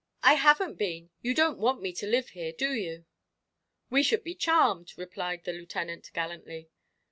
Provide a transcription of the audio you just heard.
"I haven't been you don't want me to live here, do you?" "We should be charmed," replied the Lieutenant, gallantly.